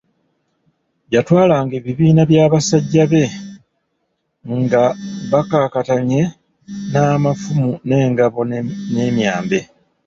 Yatwalanga ebibiina by'abasajja be nga bakakaatanye n'amafumu n'engabo n'emyambe.